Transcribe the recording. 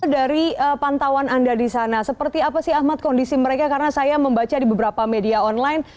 dari pantauan anda di sana seperti apa sih ahmad kondisi mereka karena saya membaca di beberapa media online